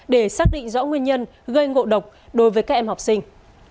để xác định rõ nguyên nhân gây ngộ độc đối với các em học sinh